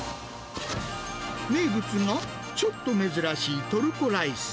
名物のちょっと珍しいトルコライス。